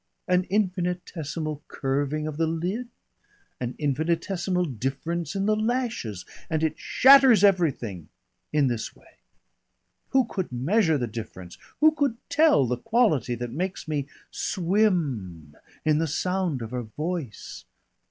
An infinitesimal curving of the lid, an infinitesimal difference in the lashes and it shatters everything in this way. Who could measure the difference, who could tell the quality that makes me swim in the sound of her voice....